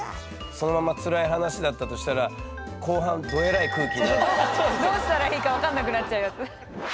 そのまんま辛い話だったとしたら後半どうしたらいいか分かんなくなっちゃうやつ。